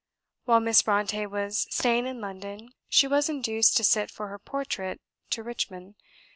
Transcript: While Miss Brontë was staying in London, she was induced to sit for her portrait to Richmond.